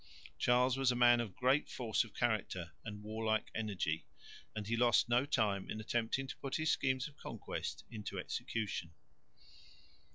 Charles was a man of great force of character and warlike energy, and he lost no time in attempting to put his schemes of conquest into execution.